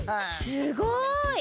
すごい！